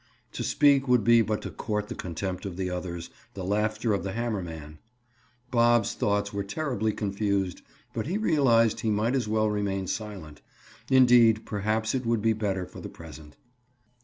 To speak would be but to court the contempt of the others, the laughter of the hammer man. Bob's thoughts were terribly confused but he realized he might as well remain silent; indeed, perhaps it would be better for the present.